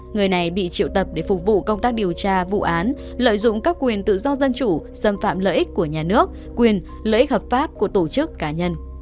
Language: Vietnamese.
người này bị triệu tập để phục vụ công tác điều tra vụ án lợi dụng các quyền tự do dân chủ xâm phạm lợi ích của nhà nước quyền lợi ích hợp pháp của tổ chức cá nhân